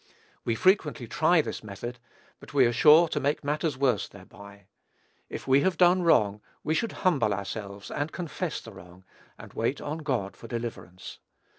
We frequently try this method, but we are sure to make matters worse thereby. If we have done wrong, we should humble ourselves and confess the wrong, and wait on God for deliverance.